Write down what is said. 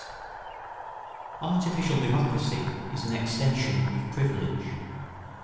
[Sidenote: Artificial democracy is an extension of privilege.